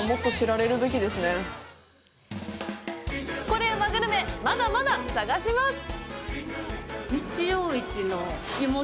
コレうまグルメ、まだまだ探します！